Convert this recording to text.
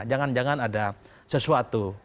jangan jangan ada sesuatu